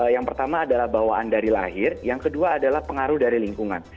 yang pertama adalah bawaan dari lahir yang kedua adalah pengaruh dari lingkungan